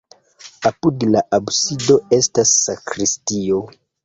Apud la absido estas sakristio.